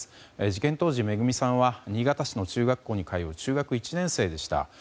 事件当時、めぐみさんは新潟市の中学校に通う中学１年生でした。